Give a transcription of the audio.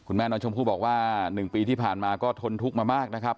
แม่น้องชมพู่บอกว่า๑ปีที่ผ่านมาก็ทนทุกข์มามากนะครับ